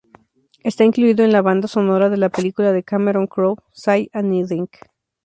Está incluido en la banda sonora de la película de Cameron Crowe "Say Anything"...